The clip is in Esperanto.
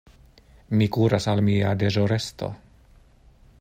Mi kuras al mia deĵorestro.